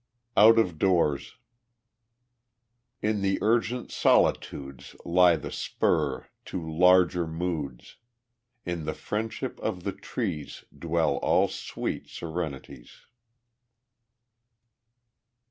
Out of Doors In the urgent solitudes Lies the spur to larger moods; In the friendship of the trees Dwell all sweet serenities.